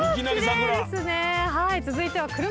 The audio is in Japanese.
続いては。